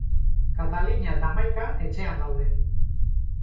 Katalina eta Maika etxean daude.